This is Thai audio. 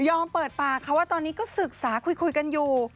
เปิดปากค่ะว่าตอนนี้ก็ศึกษาคุยกันอยู่